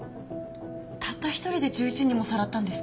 たった一人で１１人もさらったんですか？